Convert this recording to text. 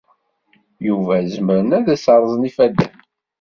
Yuba zemren ad as-rrẓen yifadden.